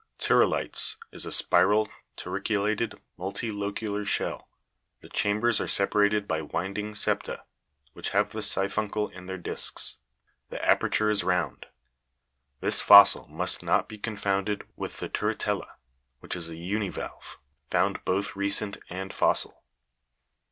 Turrili'tes is a spiral, turriculated, multilocurlar shell; the chambers are separated by winding septa, which have the si'phuncle in their disks : the aperture is round. This fossil must not be confounded with the Turrite'lla, which is a univalve, found both recent and fossil.